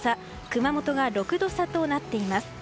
熊本が６度差となっています。